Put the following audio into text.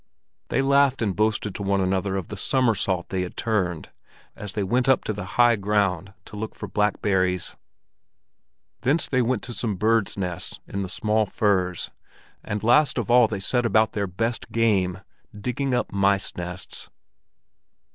They laughed and boasted to one another of the somersault they had turned, as they went up on to the high ground to look for blackberries. Thence they went to some birds' nests in the small firs, and last of all they set about their best game—digging up mice nests.